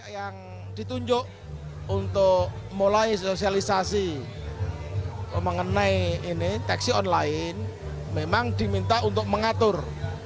yang ditunjuk untuk mulai sosialisasi mengenai ini taksi online memang diminta untuk mengatur